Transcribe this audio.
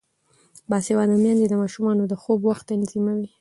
باسواده میندې د ماشومانو د خوب وخت تنظیموي.